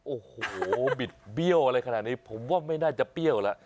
โอ้โหบิดเบี้ยวอะไรขนาดนี้ผมว่าไม่น่าจะเปรี้ยวแล้ว